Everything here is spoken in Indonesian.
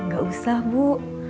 gak usah bu